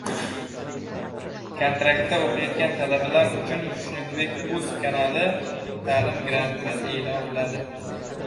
Kontraktda o‘qiyotan talabalar uchun XushnudbekUz kanali ta’lim granti e’lon qiladi